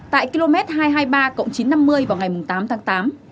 tại km hai trăm hai mươi ba chín trăm năm mươi vào ngày tám tháng tám